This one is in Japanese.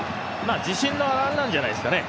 自信にはなるんじゃないですかね。